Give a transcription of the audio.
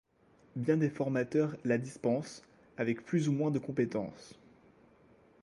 Bien des formateurs la dispensent, avec plus ou moins de compétence.